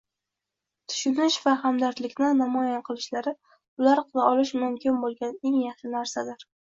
tushunish va hamdardlikni namoyon qilishlari ular qila olishi mumkin bo‘lgan eng yaxshi narsadir.